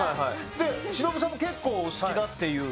で忍さんも結構お好きだっていう。